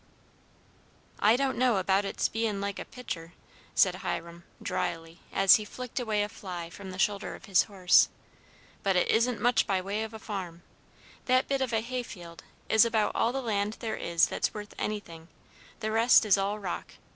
"I don't know about its being like a picter," said Hiram, dryly, as he flicked away a fly from the shoulder of his horse, "but it isn't much by way of a farm. That bit of hay field is about all the land there is that's worth anything; the rest is all rock.